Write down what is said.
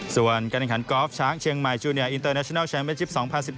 ส่วนการแข่งขันกอล์ฟช้างเชียงใหม่จูเนียอินเตอร์เนชินัลแมนชิป๒๐๑๘